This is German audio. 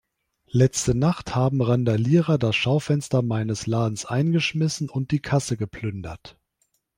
Letzte Nacht haben Randalierer das Schaufenster meines Ladens eingeschmissen und die Kasse geplündert.